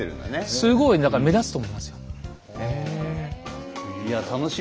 すごいだから目立つと思いますよ。